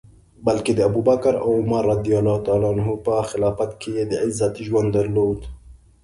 بلکه د ابوبکر او عمر رض په خلافت کي یې د عزت ژوند درلود.